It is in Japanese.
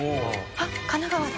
あっ神奈川だ。